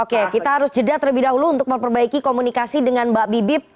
oke kita harus jeda terlebih dahulu untuk memperbaiki komunikasi dengan mbak bibip